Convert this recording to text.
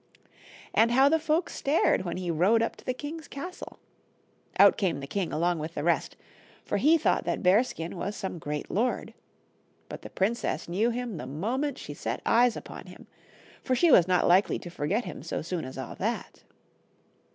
And how the folks stared when he rode up to the king's castle. Out came the king along with the rest, for he thought that Bearskin was some great lord. But the princess knew him the moment she set eyes upon him, for she was not likely to forget him so soon as all that.